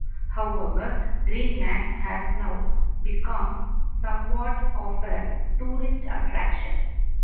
However, Greenland has now become somewhat of a tourist attraction.